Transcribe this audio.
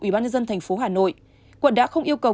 ubnd thành phố hà nội quận đã không yêu cầu